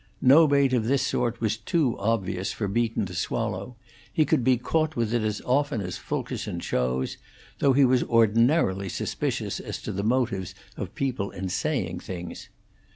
No bait of this sort was too obvious for Beaton to swallow; he could be caught with it as often as Fulkerson chose; though he was ordinarily suspicious as to the motives of people in saying things.